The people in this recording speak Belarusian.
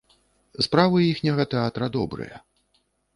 Справы іхняга тэатра добрыя.